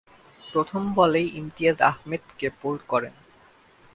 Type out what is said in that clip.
প্রথম বলেই ইমতিয়াজ আহমেদকে বোল্ড করেন।